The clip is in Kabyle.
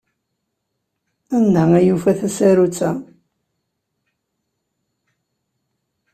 Anda i yufa tasarut-a?